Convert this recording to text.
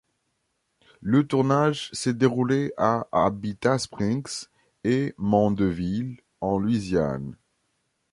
Le tournage s'est déroulé à Abita Springs et Mandeville, en Louisiane.